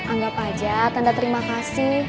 anggap aja tanda terima kasih